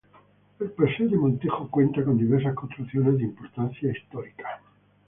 El Paseo de Montejo cuenta con diversas construcciones de importancia histórica.